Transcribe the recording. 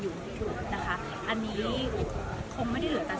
ซึ่งทุกวันนี้ก็ยังใช้อยู่นะครับ